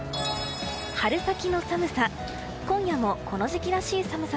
春先の寒さ。